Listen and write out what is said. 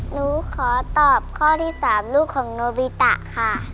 หนูขอตอบข้อที่๓ลูกของโนบิตะค่ะ